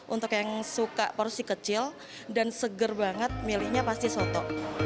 untuk yang suka porsi kecil dan seger banget milihnya pasti soto